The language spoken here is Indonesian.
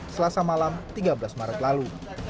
selasa malam tiga belas maret lalu